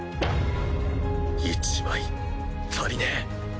１枚足りねえ。